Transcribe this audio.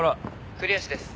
「栗橋です。